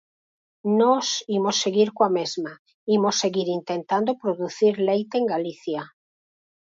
Nós imos seguir coa mesma, imos seguir intentando producir leite en Galicia.